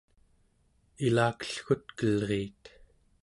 ilakellgutkelriit